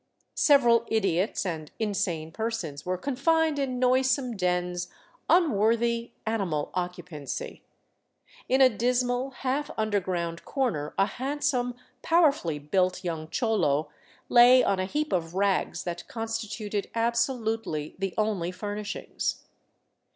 Several idiots and insane persons were confined in noisome dens un worthy animal occupancy. In a dismal, half underground corner a handsome, powerfully built young cholo lay on a heap of rags that con stituted absolutely the only furnishings.